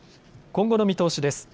今後の見通しです。